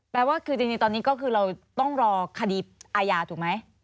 แปลว่าคือจริงตอนนี้ก็คือเราต้องรอคดีอาญาถูกไหม